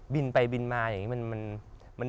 บินไปบินมาอย่างนี้